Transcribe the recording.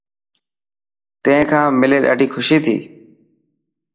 تين کان ملي ڏاڌي خوشي ٿي.